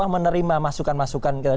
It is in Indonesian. menerima masukan masukan kita